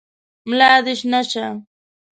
ملا دي شنه شه !